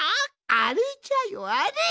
あれじゃよあれ！